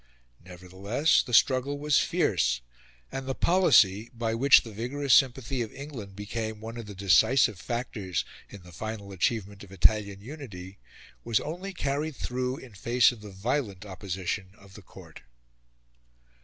Nevertheless the struggle was fierce, and the policy, by which the vigorous sympathy of England became one of the decisive factors in the final achievement of Italian unity, was only carried through in face of the violent opposition of the Court.